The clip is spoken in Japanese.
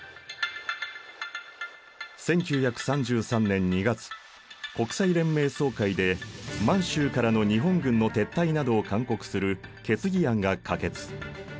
１９３３年２月国際連盟総会で満洲からの日本軍の撤退などを勧告する決議案が可決。